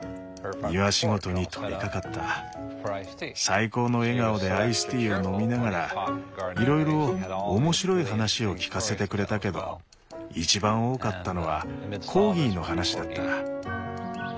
最高の笑顔でアイスティーを飲みながらいろいろ面白い話を聞かせてくれたけどいちばん多かったのはコーギーの話だった。